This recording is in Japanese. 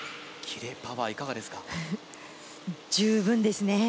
キレ、パワーいかがですか？